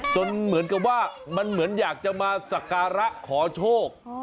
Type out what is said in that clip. เหมือนกับว่ามันเหมือนอยากจะมาสักการะขอโชค